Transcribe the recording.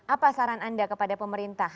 apa saran anda kepada pemerintah